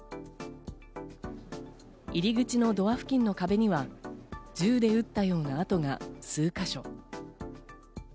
入り口のドア付近の壁には銃で撃ったような跡が数か所。